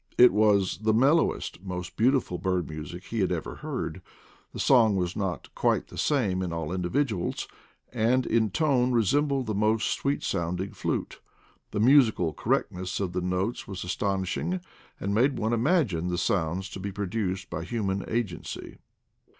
It was the mellowest, most beautiful bird music he had ever heard; the song was not quite the same in all individuals, and in tone resembled the most sweet sounding flute; the musical correctness of the notes was astonishing, and made one imagine the sounds to be produced by human agency.